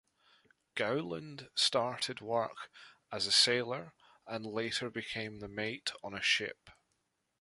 Gowland started work as a sailor and later became the mate on a ship.